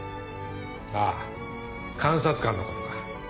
あぁ監察官のことか。